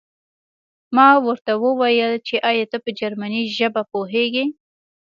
ما ورته وویل چې ایا ته په جرمني ژبه پوهېږې